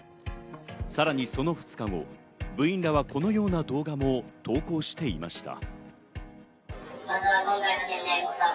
さらにその２日後、部員らはこのような動画も投稿していました。